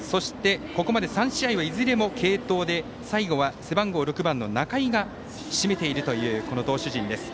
ここまで３試合はいずれも継投で最後は背番号６番の仲井が締めているという投手陣です。